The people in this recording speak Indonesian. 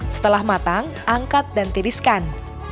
setelah matang angkat dan tiriskan